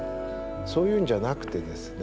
そういうんじゃなくてですね